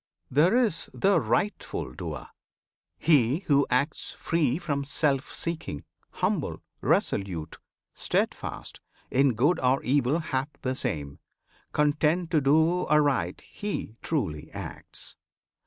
There is the "rightful"doer. He who acts Free from self seeking, humble, resolute, Steadfast, in good or evil hap the same, Content to do aright he "truly" acts.